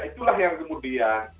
itulah yang kemudian